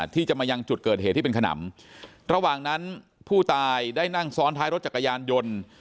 ที่จะมายังจุดเกิดเหตุที่เป็นขนำระหว่างนั้นผู้ตายได้นั่งซ้อนท้ายรถจักรยานยนต์